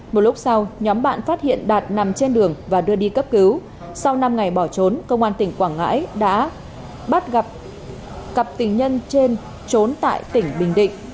một lúc sau nhóm bạn phát hiện đạt nằm trên đường và đưa đi cấp cứu sau năm ngày bỏ trốn công an tỉnh quảng ngãi đã bắt gặp cặp tình nhân trên trốn tại tỉnh bình định